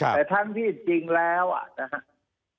แต่ทั้งที่จริงแล้วนะครับ